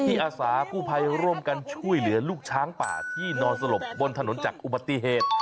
อาสากู้ภัยร่วมกันช่วยเหลือลูกช้างป่าที่นอนสลบบนถนนจากอุบัติเหตุ